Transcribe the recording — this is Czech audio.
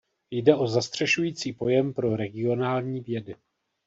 Jde o zastřešující pojem pro regionální vědy.